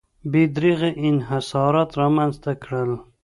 بې دریغه انحصارات رامنځته کړل.